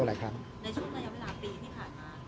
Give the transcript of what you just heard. โอนหลายครั้งครับ